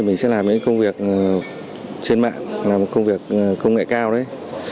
qua bên đó thì mình sẽ làm những công việc trên mạng làm một công việc công nghệ cao đấy